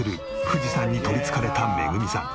富士山に取り憑かれためぐみさん。